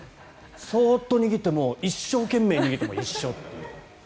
そーっと逃げても一生懸命逃げても一緒という。